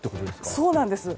そうなんです。